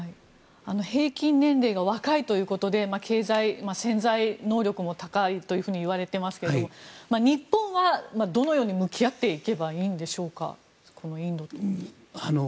平均年齢が若いということで経済潜在能力も高いといわれていますけれども日本はどのように向き合っていけばいいんですか？